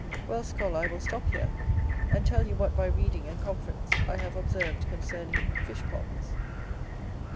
Well, scholar, I will stop here, and tell you what by reading and conference I have observed concerning fish ponds.